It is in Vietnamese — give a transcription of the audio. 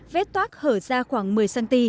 vết toát hở ra khoảng một mươi cm